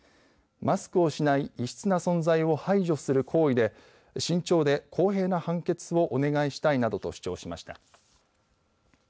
マスクをしない異質な存在を排除する行為で慎重で公平な判決をお願いしたいなどと主張しました。